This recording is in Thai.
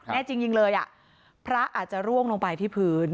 แน่จริงเลยพระอาจจะร่วงลงไปที่ผืน